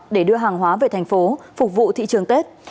để đưa hàng hóa về thành phố phục vụ thị trường tết